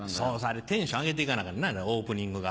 あれテンション上げていかなアカンなオープニングが。